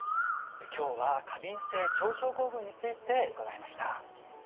今日は過敏性腸症候群について伺いました。